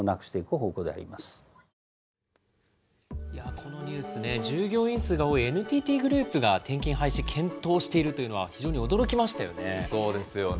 このニュース、従業員数が多いＮＴＴグループが転勤廃止検討しているというのは、そうですよね。